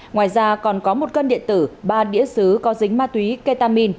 ngoài ra còn có một cân điện tử ba đĩa xứ có dính ma túy ketamin